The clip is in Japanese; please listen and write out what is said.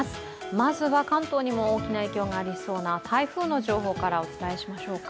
まずは関東にも大きな影響がありそうな台風の情報からお伝えしましょうか。